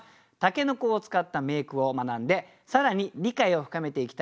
「筍」を使った名句を学んで更に理解を深めていきたいと思います。